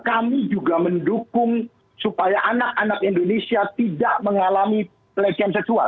kami juga mendukung supaya anak anak indonesia tidak mengalami pelecehan seksual